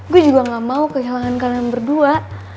gue juga gak mau kehilangan kalian berdua